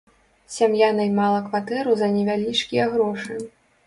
Сям'я наймала кватэру за невялічкія грошы.